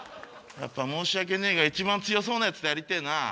やっぱ申し訳ねえが一番強そうなやつとやりてえな。